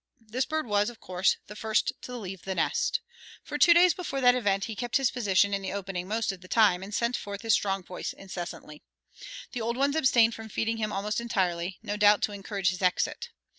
This bird was, of course, the first to leave the nest. For two days before that event he kept his position in the opening most of the time and sent forth his strong voice incessantly. The old ones abstained from feeding him almost entirely, no doubt to encourage his exit.